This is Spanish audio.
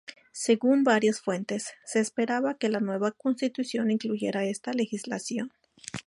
Según varias fuentes, se esperaba que la nueva Constitución incluyera esta legislación.